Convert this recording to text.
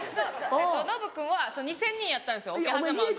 ノブ君は２０００人やったんですよ。